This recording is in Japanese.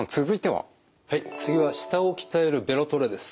はい次は舌を鍛えるベロトレです。